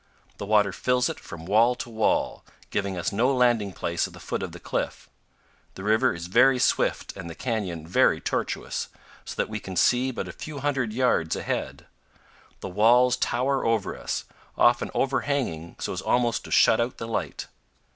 The water fills it from wall to wall, giving us no landing place at the foot of the cliff; the river is very swift and the canyon very tortuous, so that we can see but a few hundred yards ahead; the walls tower over us, often overhanging so as almost to shut out the light.